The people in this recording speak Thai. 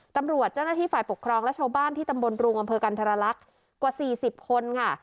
เจ้าหน้าที่ฝ่ายปกครองและชาวบ้านที่ตำบลรุงอำเภอกันธรรลักษณ์กว่า๔๐คนค่ะ